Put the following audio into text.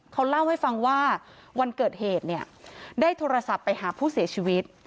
เขาเล่าให้ฟังว่าวันเกิดเหตุเนี่ยได้โทรศัพท์ไปหาผู้เสียชีวิต